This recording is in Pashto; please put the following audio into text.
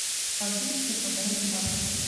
ماسوم ته پاملرنه د هغه حق دی.